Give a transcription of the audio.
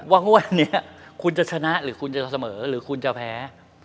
ว่างวดนี้คุณจะชนะหรือคุณจะเสมอหรือคุณจะแพ้